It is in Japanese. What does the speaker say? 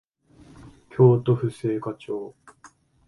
京都府精華町